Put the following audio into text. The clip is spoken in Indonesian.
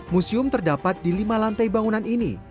museum terdapat di lima lantai bangunan ini